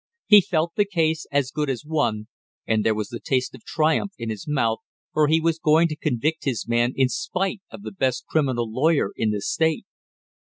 He felt the case as good as won, and there was the taste of triumph in his mouth, for he was going to convict his man in spite of the best criminal lawyer in the state!